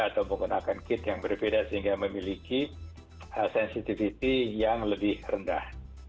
atau menggunakan kit yang berbeda sehingga memiliki sensitivity yang lebih rendah